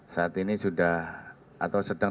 saat ini sudah atau sedang